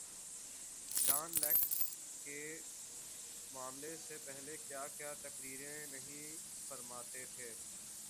Dawn leaks کے معاملے سے پہلے کیا کیا تقریریں نہیں فرماتے تھے۔